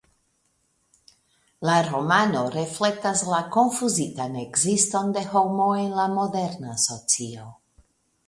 La romano reflektas la konfuzitan ekziston de homo en la moderna socio.